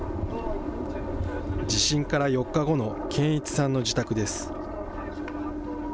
地震から４日後の堅一さんの自宅です。